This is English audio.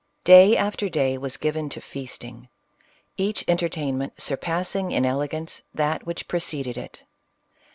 Day after day was given to feasting — each enter tainment surpassing in elegance that which preceded it.